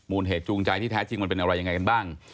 เหตุจูงใจที่แท้จริงมันเป็นอะไรยังไงกันบ้าง